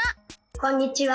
こんにちは。